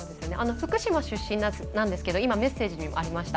福島出身なんですが今、メッセージにもありました。